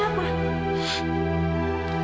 ternyata gini loh ya artis